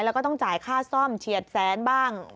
แล้วก็ต้องจ่ายค่าซ่อมเฉียดแสนบ้าง